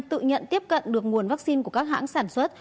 tự nhận tiếp cận được nguồn vaccine của các hãng sản xuất